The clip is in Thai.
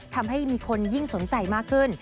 ทำให้มีคนยิ่งสนใจมากขึ้น